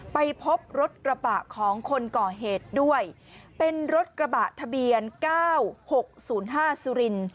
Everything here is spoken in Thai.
ไปพบรถกระบะของคนก่อเหตุด้วยเป็นรถกระบะทะเบียน๙๖๐๕สุรินทร์